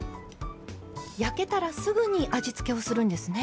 焼けたらすぐに味付けをするんですね。